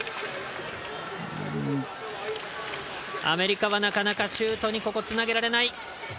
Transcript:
アメリカは、なかなかシュートにつなげられない。